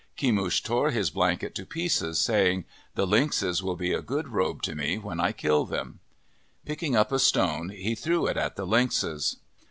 Kemush tore his blanket to pieces, saying, "The lynxes will be a good robe to me when I kill them." Picking up a stone, he threw it at the lynxes.